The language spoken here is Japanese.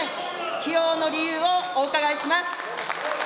起用の理由をお伺いします。